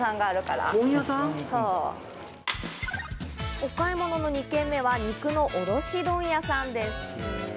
お買い物の２軒目は肉の卸問屋さんです。